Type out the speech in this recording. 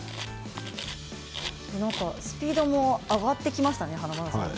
スピードが上がってきましたね、華丸さん。